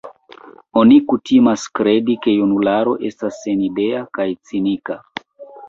Oni kutimas kredi, ke junularo estas senidea kaj cinika.